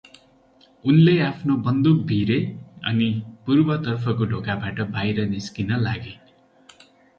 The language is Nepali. उनले आफ्नो बन्दुक भिरे अनि पूर्वतर्फको ढोकाबाट बाहिर निस्कन लागे ।